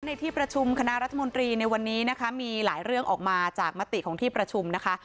ในที่ประชุมคณะรัฐมนตรีในวันนี้นะคะมีหลายเรื่องออกมาจากมติของที่ประชุมนะคะ